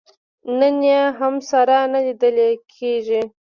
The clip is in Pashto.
نن یې هم ساری نه لیدل کېږي.